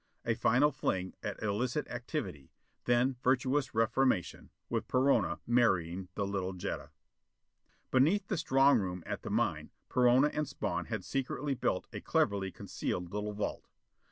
A final fling at illicit activity; then virtuous reformation, with Perona marrying the little Jetta. Beneath the strong room at the mine, Perona and Spawn had secretly built a cleverly concealed little vault.